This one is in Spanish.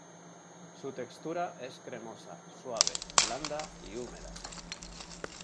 Su textura es cremosa, suave, blanda y húmeda.